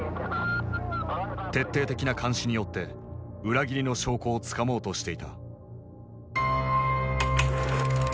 徹底的な監視によって裏切りの証拠をつかもうとしていた。